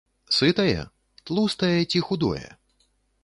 Сытае, тлустае ці худое?